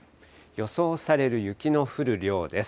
予想される雪の降る量です。